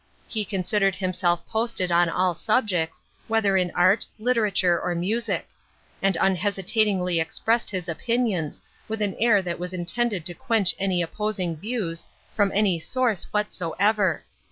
He considered himself posted on all subjects, whether in art, literature, or music ; and unhesitatingly expressed his opinions, with an air that was intended to quench any opposing views, from any source whatever.